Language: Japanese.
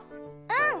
うん！